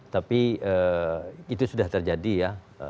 tapi itu sudah terjadi ya